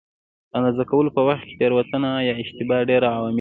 د اندازه کولو په وخت کې تېروتنه یا اشتباه ډېر عوامل لري.